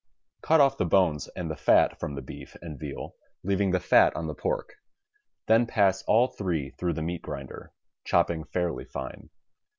Cut off the bones and the fat from the beef and veal, leaving the fat on the pork. Then pass all three through the meat grinder, chopping fairly fine.